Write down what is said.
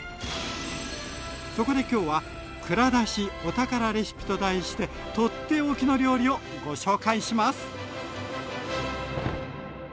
そこできょうは「蔵出し！お宝レシピ」と題して取って置きの料理をご紹介します！